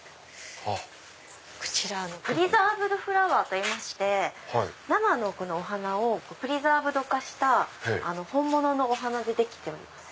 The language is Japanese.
こちらプリザーブドフラワーといいまして生のお花をプリザーブド化した本物のお花でできております。